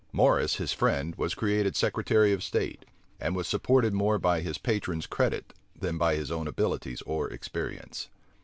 Morrice, his friend, was created secretary of state, and was supported more by his patron's credit than by his own abilities or experience.